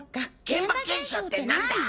現場検証って何だ？